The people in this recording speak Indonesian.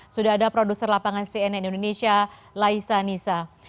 sudah ada produser lapangan cnn indonesia laisa nisa